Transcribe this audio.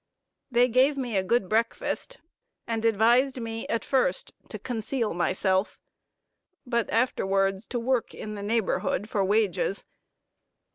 They gave me a good breakfast, and advised me at first to conceal myself, but afterwards to work in the neighborhood for wages.